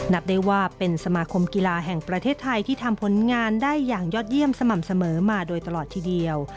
นับได้ว่าเป็นสมาคมกีฬาแห่งประเทศไทยที่ทำผลงานได้อย่างยอดเยี่ยมสม่ำเสมอมาโดยตลอดทีเดียว